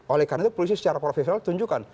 oleh karena itu polisi secara profesional tunjukkan